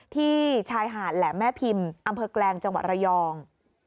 ที่ชายหาดแหลมแม่พิมพ์อำเภอแกลงจังหวัดระยอง